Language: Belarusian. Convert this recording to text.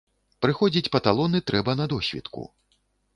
Прыходзіць па талоны трэба на досвітку.